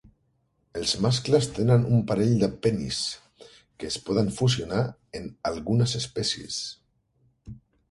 Els mascles tenen un parell de penis, que es poden fusionar en algunes espècies.